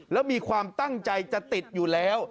แล้วมีความตั้งใจจะติดอยู่แล้ว